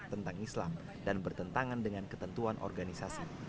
tentang islam dan bertentangan dengan ketentuan organisasi